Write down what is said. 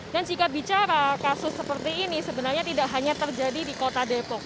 dan jika bicara kasus seperti ini sebenarnya tidak hanya terjadi di kota depok